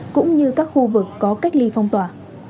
cũng như các khu vực có cách ly phong tỏa